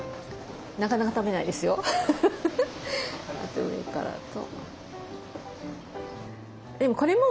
あと上からと。